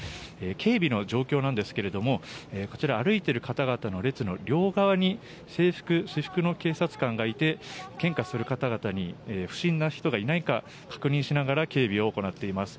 警備の状況なんですがこちら、歩いている方々の列の両側に制服、私服の警察官がいて献花する方々に不審な人がいないか確認しながら警備を行っています。